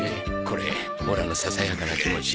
これオラのささやかな気持ち。